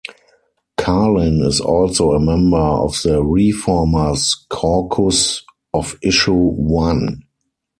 Carlin is also a member of the ReFormers Caucus of Issue One.